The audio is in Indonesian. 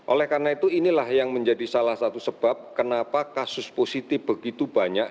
oleh karena itu inilah yang menjadi salah satu sebab kenapa kasus positif begitu banyak